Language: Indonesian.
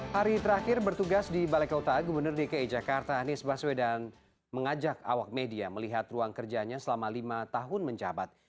hari terakhir bertugas di balai kota gubernur dki jakarta anies baswedan mengajak awak media melihat ruang kerjanya selama lima tahun menjabat